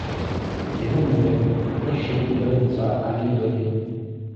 Emanuelle - perché violenza alle donne?